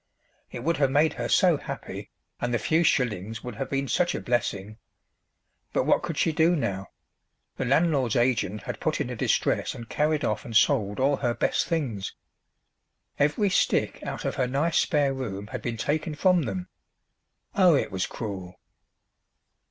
It would have made her so happy, and the few shillings would have been such a blessing! But what could she do now the landlord's agent had put in a distress and carried off and sold all her best things. Every stick out of her nice spare room had been taken from them! Oh, it was cruel!